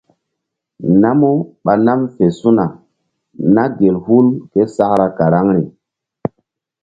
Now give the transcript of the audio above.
Namu ɓa nam fe su̧na na gel hul késakra karaŋri.